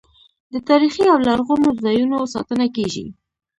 د تاریخي او لرغونو ځایونو ساتنه کیږي.